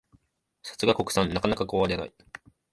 さすが国産、なかなか壊れない